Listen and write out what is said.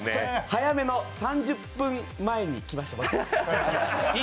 早めの３０分前に来ました。